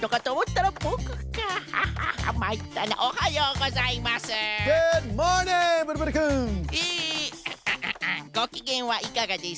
ごきげんはいかがですか？